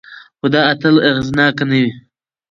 خو دا تل اغېزناک نه وي.